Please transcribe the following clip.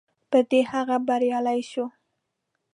په دې هغه بریالی شو.